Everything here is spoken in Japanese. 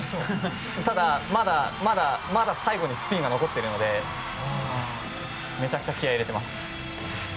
ただ、まだ最後にスピンが残ってるのでめちゃくちゃ気合い入れてます。